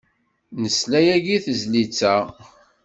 Nesla yagi i tezlit-a.